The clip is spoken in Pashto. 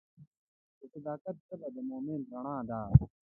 د صداقت ژبه د مؤمن رڼا ده.